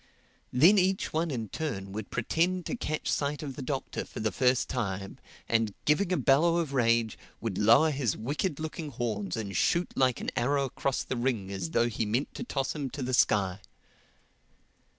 Then each one in turn would pretend to catch sight of the Doctor for the first time and giving a bellow of rage, would lower his wicked looking horns and shoot like an arrow across the ring as though he meant to toss him to the sky.